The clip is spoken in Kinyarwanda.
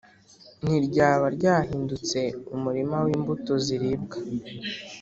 ntiryaba ryahindutse umurima w’imbuto ziribwa,